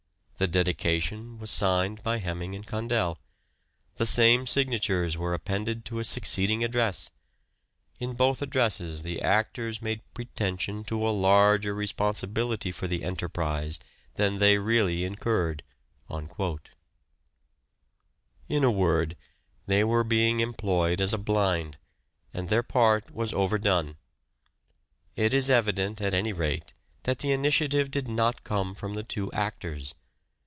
. The dedication ... was signed by Heming and Condell. ... The same signatures were appended to a succeeding address ... In both POSTHUMOUS CONSIDERATIONS 423 addresses the actors made pretension to a larger responsibility for the enterprise than they really incurred." In a word, they were being employed as a blind, and their part was overdone. It is evident, at any rate, that the initiative did not come from the two actors.